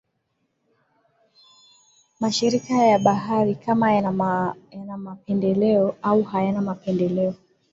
Mashirika ya habari kama yana mapendeleo au hayana mapenmdeleo